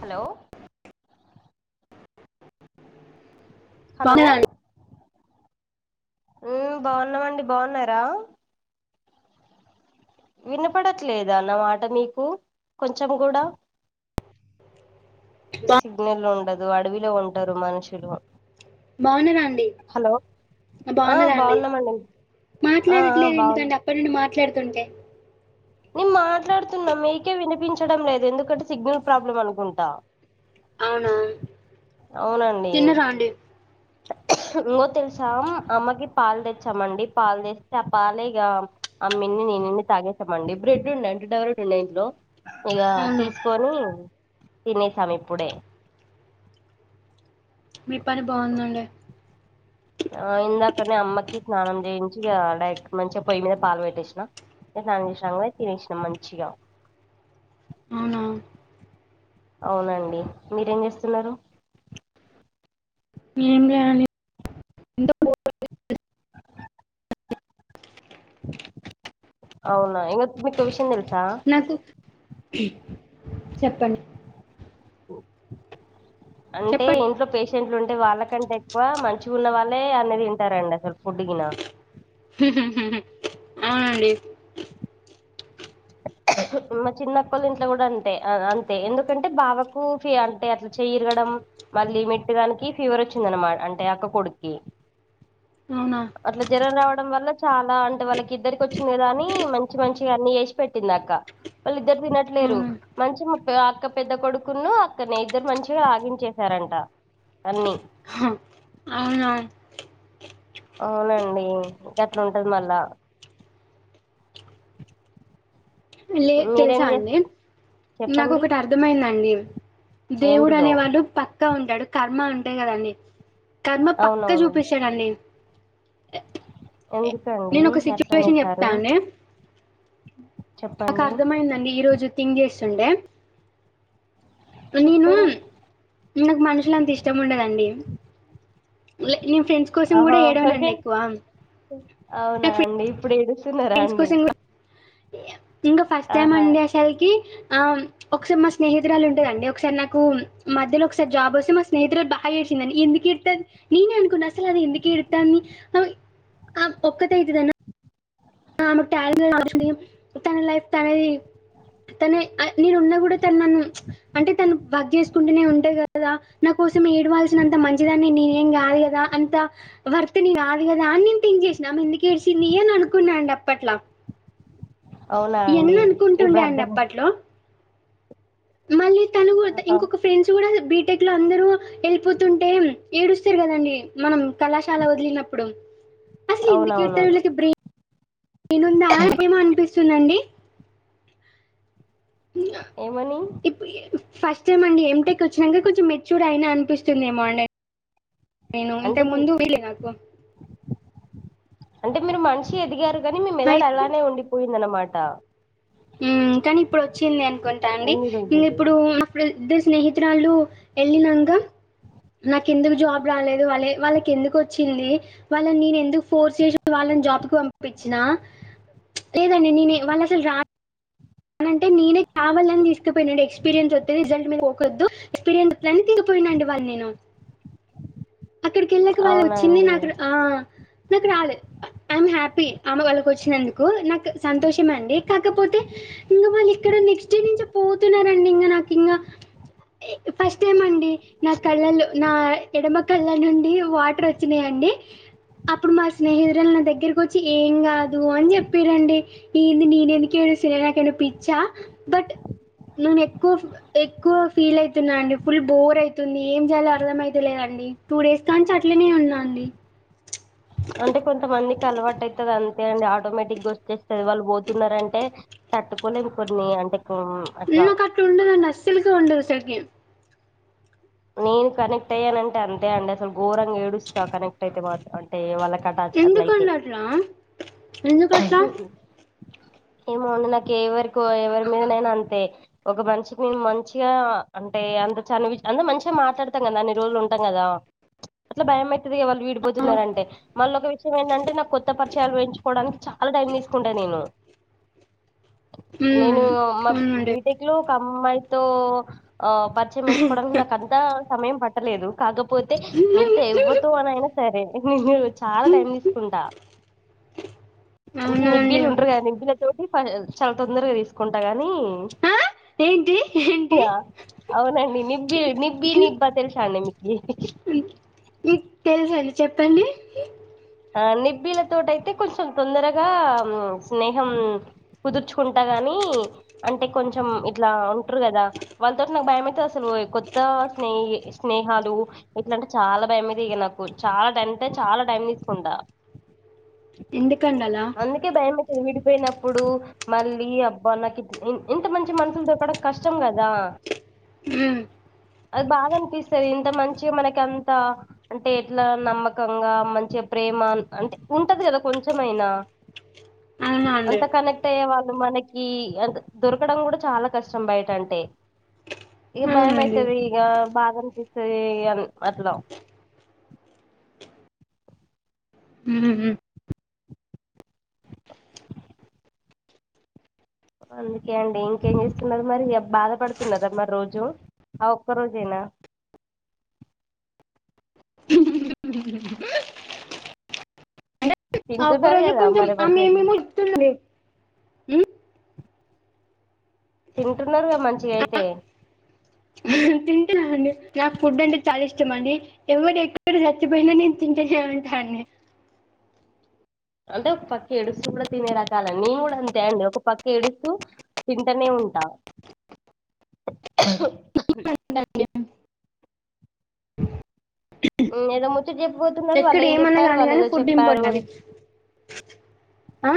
Hello hello బాగున్నారా అండి ఊ బాగున్నమండి, బాగున్నారా? వినపడట్లేదా నా మాట మీకు కొంచం కూడ? బా- సిగ్నల్ ఉండదు అడవిలో ఉంటరు మనుషులు. బావున్నరాండి? హలో ఆ బాన్నర అండి? ఆ ఆ మాట్లాడట్లేదు బాగున్నా ఎందుకండి అప్పడి నుండి మాట్లాడుతుంటే? నేన్ మాట్లాడుతున్న మీకే వినిపించడం లేదు, ఎందుకంటే సిగ్నల్ ప్రాబ్లమ్ అనుకుంటా. అవునా. తిన్నరా అండి? ఇంకో తెలుసా అమ్మకి పాలు తెచ్చామండి పాలు తెస్తే ఆ పాలు ఇగా అమ్మిన్ని నేనిన్ని తాగేసామండి. బ్రెడ్ ఉండా అండ్ డవ్రెడ్ ఉండా ఇందులో ఇక అవును తీసుకొని తినేసాం ఇప్పుడే. మీ పని బాగుందండి. ఆ ఇందాకనే అమ్మకి స్నానం చేయించి ఇగా, డైరెక్ట్ మంచిగ పొయ్యి మీద పాలు పెట్టేసిన. న స్నానం చేసినాంగ పొయ్ తినేసిన మంచిగ అవునా అవునండి. మీరేం చేస్తున్నరు? ఏం లే అండి అవునా ఇంగ మీకో విషం తెలుసా? నసూ చెప్పండి అంటే చెప్పండి ఇంట్లో పేష్ షెంట్లు ఉంటే వాళ్ళకంటే ఎక్కువ మంచిగ ఉన్న వాళ్ళే అన్ని తింటారండి అసల్. ఫుడ్ గినా అవునండి మా చిన్నకొళ్ళ ఇంట్ల కూడ అంతే ఆ అంతే, ఎందుకంటే బావకు ఫి అంటే అట్ల చెయ్ ఇరగడం మళ్ళీ మిడ్ గానికి ఫీవర్ వచ్చిందనమా అంటే అక్క కొడుక్కి అవునా అట్ల జ్వరం రావడం వల్ల చాలా అంటే వాళ్ళకి ఇద్దరికి వచ్చింది కదా అని మంచి మంచిగ అన్ని చేసి పెట్టింది అక్క. వాళ్ళు ఇద్దరు తినట్లేరు అవును. మంచి ముప్పే ఆ అక్క పెద్ద కొడుకును అక్కనే ఇద్దరు మంచిగా వాకింగ్ చేసారంట అన్నీ హ. అవునా అవునండి గట్ల ఉంటది మళ్ళా లే మీరేం తెలుసా చే అండి నాకు చెప్పండి ఒకటి అర్ అర్థమైందండి దేవుడు ఏంటిదో అనే వాడు పక్కా ఉంటాడు కర్మ ఉంటేయి కదండి ఖర్మ పక్క అవునవును చూపిస్తది అండి ఎందుకండి నేను ఒక సిచ్యువేషన్ చెప్తా అట్లనేసారు అండి నాకు చెప్పండి అర్థమైందండి ఈ రోజు థింక్ చేస్తుండే నేను చెప్పండి నాకు మనుషులు అంత ఇష్టం ఉండదండి లే నేను ఫ్రెండ్స్ కోసం కూడా ఆహా ఏడవనండి ఎక్కువ అవునా నాకు అండి ఇప్పుడు ఏడుసు ఫ్రెండ్స్ కోసం కూడా ఇంగా ఫస్ట్ టైం ఆహా అండి అసలకి ఒకసారి మా స్నేహితురాలు ఉంటదండి ఒకసారి నాకు మధ్యలో ఒకసారి జాబ్ వస్తే మా స్నేహితురాలు బా గా ఏడ్చింది ఎందుకు ఏడుతాంది నేనే అనుకున్నాను అసలు అది ఎందుకు ఏడుతంది అని [unintelligible] ఆ ఒక్కతి అయితది అనా ఆమె టాలెంట్ లాగేసుకుని తన లైఫ్ తనే తనే నేను ఉన్నా కూడా తను నన్ను అంటే తను వర్క్ చేసుకుంటూనే ఉంటది కదా నా కోసం ఏడవల్సినంత మంచిదాన్ని నేనేం కాదు కదా అంత వర్త్ నీ కాదు కదా అని నేను థింక్ చేసినా ఆమె ఎందుకు ఏడ్చింది అని అనుకున్నా అండి అప్పట్లా అవునా ఈయన్ని అండి ఇప్పుడు అనుకుంటుండే అండి అర్థం అప్పట్లో మళ్ళీ తను ఆహా ఇంకొక ఫ్రెండ్స్ కూడా బీటెక్ లో అందరూ వెళ్ళిపోతుంటే ఏడుస్తారు కదండి మనం కళాశాల వదిలినప్పుడు అసలు ఎందుకు అవునవును ఎడుత్తన్నారు వీళ్ళకి బ్రెయిన్ బ్రెయిన్ ఉందా ఏమో అనిపిస్తుందండి ఏమని ఫస్ట్ టైమ్ అండి ఎం టెక్ వచ్చినంక కొంచెం మెచ్యూర్డ్ అయినా అనిపిస్తుంది ఏమో అండి నేను అంటే ఇంతకు ముందు వీళ్ళు నాకు అంటే మీరు మనిషి ఎదిగారు కాని మీ అయి మెదడు అలానే ఉండిపోయిందనమాట ఉ కానీ ఇప్పుడు వచ్చింది అనుకుంటా అండి ఎన్ని ఇంగ రోజులు ఇప్పుడు ఇప్పుడు ఇద్దరు స్నేహితురాలు వెళ్ళినంక నాకెందుకు జాబ్ రాలేదు వాళ్ళ వాళ్ళకి ఎందుకు వచ్చింది వాళ్ళని నేను ఎందుకు ఫోర్స్ చేసి వాళ్ళని జాబ్ కు పంపించిన లేదండి నేను వాళ్ళు అసలు రా ఆ అంటే నేనే కావాలని తీకుపోయిన నండి ఎక్స్పీరియన్స్ వత్తాది రిజల్ట్ మీరు పోకొద్దు ఎక్స్పీరియన్స్ వత్తాదని తిగిపోయినండి వాళ్ళని నేను అక్కడికి వెళ్ళక వాళ్ళు అవునా వచ్చింది అండి నాకు ఆ నాకు రాలే ఐమ్ హ్యాపీ ఆమ వాళ్ళకు వచ్చినందుకు నాకు సంతోషమే అండి కాకపోతే వాళ్ళు ఇక్కడ నెక్స్ట్ డే నుంచి పోతున్నారండి ఇంగ నాకు ఇంగా ఫస్ట్ టైం అండి నా కళ్ళల్లో నా ఎడమ కళ్ళ నుండి వాటర్ వచ్చినాయండి అప్పుడు మా స్నేహితురాలు నా దగ్గరకు వచ్చి ఏం కాదు అని చెప్పిర్రు అండి ఏంది నేను ఎందుకు ఏడుస్తున్న నాకు ఏమన్నా పిచ్చా బట్ నేను ఎక్కువ పి ఎక్కువ ఫీల్ అయతున్నా అండి ఫుల్ బోర్ అయతుంది ఏం చేయాలో అర్థ అయితలేదండి టూ డేస్ కాడినుంచి అట్లనే ఉన్నా అండి అంటే కొంత మందికి అలవాటు అయితాదంతే అండి ఆటోమేటిక్ గా వచ్చేస్తుది వాళ్ళు పో తున్నారంటే తట్టుకోలేము కొన్ని అంటే కో ఉన్న కట్ ఉండదండి అసలుకే ఉండదు సరికి నేను కనెక్ట్ అయ్యానంటే అంతే అండి అసలు ఘోరంగా ఏడుస్తా కనెక్ట్ అయితే మాత్రం అంటే వాలకటాచ్ అట్లా అయితే ఎందుకండి అట్లా? ఎందుకట్లా? ఏమోంది నాకు ఎవరికో ఎవరి మీద నైనా అంతే ఒక మనిషికి నేను మంచిగా అంటే అంత చనివి అంటే మంచిగా మాట్లాడతాం కదా అన్ని రోజులు ఉంటాం కదా అట్లా భయంమవుతుది వాళ్ళు విడిపోతున్నారంటే మళ్ళీ ఒక విషయం ఏంటంటే నాకు కొత్త పరిచయాలు వేయించుకోవడానికి చ లా టైం తీసుకుంటా నేను నేను హ్మ్. మా అవునండి. బీ టెక్ ఓకమ్మాయితో ఆ పరిచయం పెంచుకోవడానికి నాకంతా సమయం పట్టలేదు కాకపోతే మిగతా ఎవ్వరుతో అనయినా సరే నేను చాలా టైం తీ సుకుంటా అవునా అండి. నిబ్బీలు ఉండరు గా నిబ్బీలు లే తోటి చాలా తొందరగా తీసుకుంటా గాని ఆ! ఏంటి ఏంటి ఇగ అవునండి నిబ్బి నిబ్బి నిబ్బా తెలిసా అండి మీకి మీకు మీకు తెలుసాండి చెప్పండి ఆ నిబ్బిల తోటయితే కొంచెం తొందరగా స్నేహం కుదుర్చుకుంటా గాని అంటే కొంచెం ఇట్లా ఉంటరు కదా వాళ్ళతోటి నాకు భయమవుతాది అసలు కొత్త స్నే స్నేహాలు ఇట్లాంటే చాలా భయమైతదిక నాకు చాలా అంటే చాలా టైం తీసుకుంటా ఎందుకండి అలా కే భయమవుతుంది విడిపోయినప్పుడు మళ్ళీ అబ్బా నాకు ఇ ఇంత మంచి మనుషులు దొరకడం కష్టం కదా ఉమ్ అది బాగా అనిపిస్తుంది ఇంత మంచి మనకి అంత అంటే ఎట్లా నమ్మకంగా మంచి ప్రేమ అంటే ఉంటది కదా కొంచెమైనా అవునా అండి అంతకన అంటే వాళ్ళు మనకి అంతే దొరకడం కూడా చాలా కష్టం బయట అంటే ఇక అవునండి భయమైతది ఇగ బాధనిపిస్తది ఇగ అట్లా ఉహు హు అందుకే అండి ఇంకేం చేస్తున్నారు మరి ఇగ బాధ పడుతున్నరా మరి రోజు ఆ ఒక్క రోజేనా ఉ ఆ ఒక్క తింటున్నారు రోజె కదా కొంచెం మరి ఆమె మంచిగా తి ఏమేమో ఇస్తుంది తింటున్నారు కదా మంచిగయితే తింటున్నా అండి నాకు ఫుడ్ అంటే చాలా ఇష్టం అండి ఎవరు ఎక్కడ చచ్చిపోయినా నేను తింటూనే ఉంటానండి అంటే ఒక పక్క ఏడుస్తూ కూడా తినే రకాలే నేను కూడా అంతే అండి ఒక పక్క ఏడుస్తూ తింటనే ఉంటా ఉంటానండి. ఏదో ముచ్చట చెప్పబోతున్నారు ఎక్కడ వాళ్ళు ఏం ఏమన్నా చెప్పారు కానీ వాళ్ళు కానీ ఏదో ఫుడ్ చెప్పారు ఇంపార్టెంట్ అండి అని ఆ?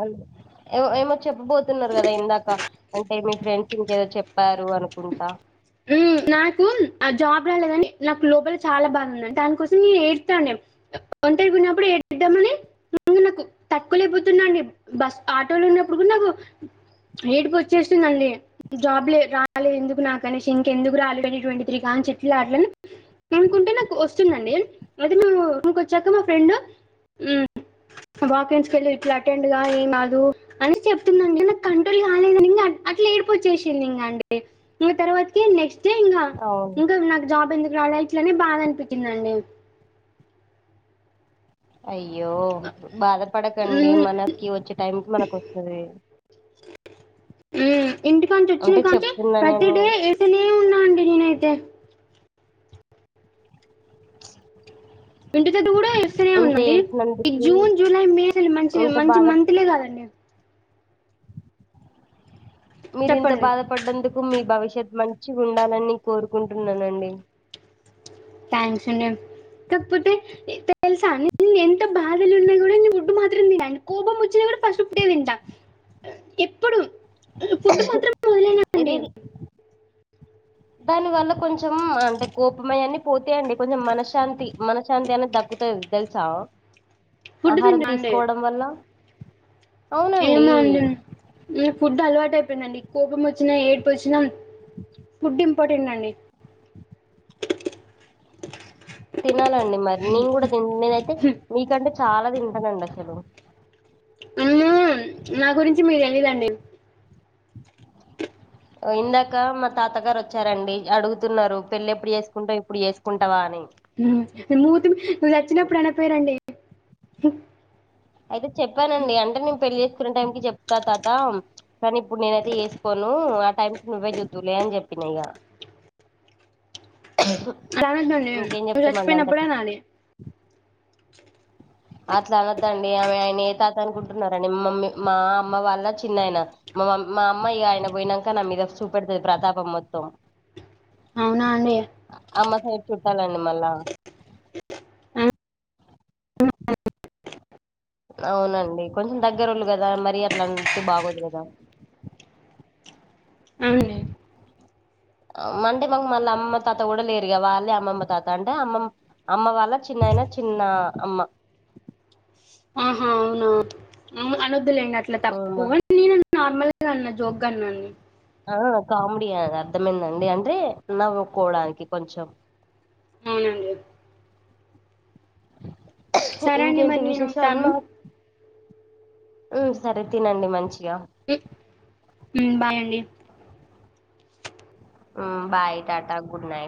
అ ఏ ఏమో చెప్పబోతున్నారు కదా ఇందాక అంటే మీ ఫ్రెండ్ ఇంకేదో చెప్పారు అనుకుంటా నాకు ఆ జాబ్ రాలేదని నాకు లోపల చాలా బాదుంది దానికోసం నేను ఎడతాండే ఒంటరి గున్నప్పుడు ఏడ్ద్దామని ము నాకు తట్టుకోలేకపోతున్నాండి బస్ ఆటోలో ఉన్నప్పుడు కూడా నాకు ఏడుపు వచ్చేస్తుందిండి జాబ్లే లేకా ఎందుకు నాకు కనీ ఇంకెందుకు ఆల్రెడీ ట్వంటీ త్రీ కానీ చెట్లా ఆట్లన్ అనుకుంటే నాకు వస్తుందండి అయితే మేము రూమ్ కోవచ్చాక మా ఫ్రెండ్ వాకిన్స్కెళ్ళి ఇట్లా అటెండ్ గా ఎం కాదు అని చెప్తుందండి నాకు కంట్రోల్ కాలేదని ఇం అట్లా ఏడుపోచ్చేసింది ఇంకా అండి ఇంకా తర్వాతకి నెక్స్ట్ డే ఇంకా అవును ఇంకా నాకు జాబ్ ఎందుకు రాలే ఇట్లనే బాదా అనిపించిందండి అయ్యో బాధపడకండి ఉమ్, మనకి వచ్చే టైంకి మనకు వస్తది ఉమ్, అంటే చెప్కున్నా నేను అట్లే ఉన్నా అండి నేను అయితే ఇంటి దేగ్గర కూడా ఇస్తూనే ఇంత ఉన్నాండి ఈ ఏడ్చినందుకు జూన్ జూలై మే మంచి ఇంత మంచి బాధ మంత్లే కాదండి మీరింత చెప్పండి బాధపడ్డందుకు మీ భవిష్యత్ మంచి ఉండాలని కోరుకుంటున్నానండి థ్యాంక్స్ అండి కాకపోతే తెలుసా నేను ఎంత బాధలో ఉన్నా కూడా నేను ఫుడ్డు మాత్రం తింటాను కోపం వచ్చినా కూడా ఫస్ట్ పూట్టే తింటాను ఎప్పుడు ఫుడ్ మాత్రం వదిలేనండి ఏది దానివల్ల కొంచెం అంటే కోపమయాన్ని పోత అండి కొంచెం మనశాంతి మనశాంతి అనేది దక్కుతది తెలు సా ఫుడ్ ఆహారం తింటా అండి తీసుకోవడం వల్ల అవునండి ఏమో అండి ఫుడ్ అలవాటు అయిపోయిందండి కోపం వచ్చినా ఏడిపు వచ్చినా ఫుడ్ ఇంపార్టెంట్ అండి తినాలండి మరి నేను కూడా తీన్ నేను అయితే నీకంటే చాలా తింటానండి అసలు ఉమ్ నా గురించి మికు తెలిదండి ఇందాక మా తాతగారు వచ్చారండి అడుగుతున్నారు పెళ్లి ఎప్పుడు చేసుకుంటావు ఇప్పుడు చేసుకుంటావా అని మూతీ మీ నువ్వు చచ్చినప్పుడు అనపోయినారండి అయితే చెప్పానండి అంటే నేను పెళ్లి చేసుకునే టైం కి చెప్తా తాత కానీ ఇప్పుడు నేనైతే చేసుకోను ఆ టైంకి నువ్వే చూద్దులే అని చెప్పిన ఇక రానద్దండి ఇంకేం నువ్వు చెప్తామండి అంత చచ్చిపోయినప్పుడే అనాలి అట్లా అనద్దండి ఆమె ఆయన ఏ తాత అనుకుంటున్నారండి మమ్మీ మా అమ్మ వాళ్ళ చిన్నయన మా మా అమ్మా ఇక ఆయన పోయినాక నా మీద చూపెడుతది ప్రతాపం మొత్తం అవునా అండి అమ్మ సైడ్ చుట్టాలండి మల్ల అవునండి కొంచెం దగ్గరళ్ళు కదా మరి అట్లా అంటే బాగోదు కదా అవునండి అంటే మాకు మళ్ళీ అమ్మమ్మ తాత కూడా లేరుగా వాళ్లే అమ్మమ్మ తాత అంటే అమ్మమ్మ అమ్మ వాళ్ళ చిన్నయినా చిన్న అమ్మ ఆహా అవువు అనద్దులేండి అట్లా తప్పు హ్మ్. నేను నార్మల్గా అన్నా జోక్ గా అన్నాను ఆ కామెడీ అని అర్థమైందండి అంటే నవ్వుకోవడానికి కొంచెం అవునండి సరే అండి ఇంకేంటి మరి నేను విశేషాలు ఉంటాను ఉమ్ సరే తినండి మంచిగా ఉమ్ బాయ్ అండి బయ్ టాటా గుడ్ నైట్